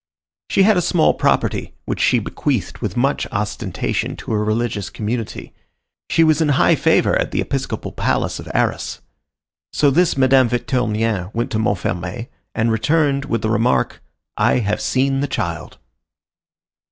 She had a small property, which she bequeathed with much ostentation to a religious community. She was in high favor at the episcopal palace of Arras. So this Madame Victurnien went to Montfermeil, and returned with the remark, "I have seen the child."